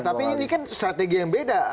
tapi ini kan strategi yang beda